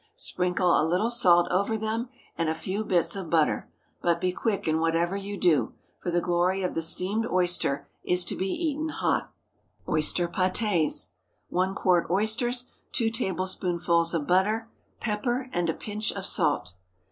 Sprinkle a little salt over them and a few bits of butter; but be quick in whatever you do, for the glory of the steamed oyster is to be eaten hot. OYSTER PÂTÉS. ✠ 1 qt. oysters. 2 tablespoonfuls of butter. Pepper, and a pinch of salt.